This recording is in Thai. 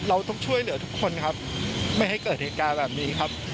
เราต้องช่วยเหลือทุกคนครับไม่ให้เกิดเหตุการณ์แบบนี้ครับ